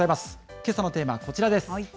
けさのテーマはこちらです。